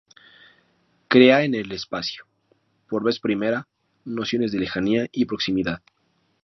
Crea en el espacio, por vez primera, nociones de lejanía y proximidad.